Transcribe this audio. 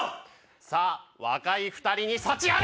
さあ、若い２人に幸あれ。